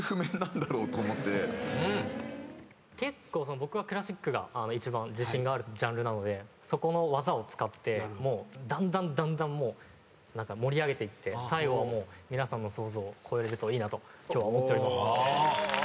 僕はクラシックが一番自信があるジャンルなのでそこの技を使ってだんだんだんだん盛り上げていって最後はもう皆さんの想像を超えれるといいなと今日は思っております。